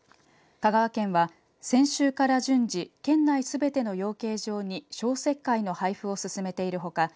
香川県は先週から順次県内すべての養鶏場に消石灰の配布を進めているほか